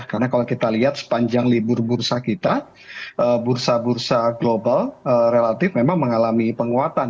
karena kalau kita lihat sepanjang libur bursa kita bursa bursa global relatif memang mengalami penguatan